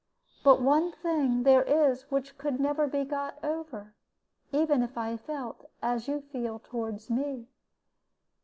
But one thing there is which could never be got over, even if I felt as you feel toward me.